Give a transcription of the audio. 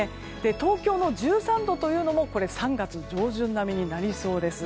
東京の１３度というのも３月上旬並みになりそうです。